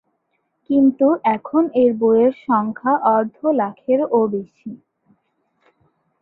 কিন্তু এখন এর বই এর সংখ্যা অর্ধ লাখের ও বেশি।